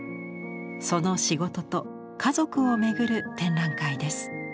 その仕事と家族をめぐる展覧会です。